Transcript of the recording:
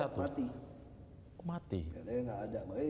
mati ya dia nggak ada